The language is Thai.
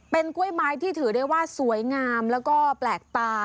เป็นกล้วยไม้ที่ถือได้ว่าสวยงามแล้วก็แปลกตา